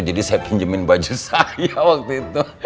jadi saya pinjemin baju saya waktu itu